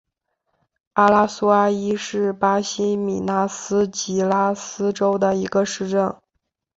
阿拉苏阿伊是巴西米纳斯吉拉斯州的一个市镇。